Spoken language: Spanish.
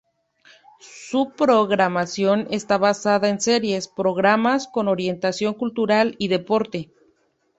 Su programación está basada en series, programas con orientación cultural y deporte.